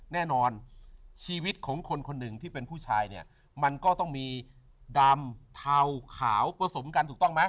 แน่นอนชีวิตของคนคนหนึ่งที่เป็นผู้ชายเนี่ยมันก็ต้องมีดำเทาขาวผสมกันถูกต้องไหม